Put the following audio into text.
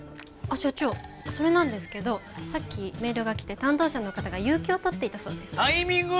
所長それなんですけどさっきメールが来て担当者の方が有休を取っていたそうですタイミング！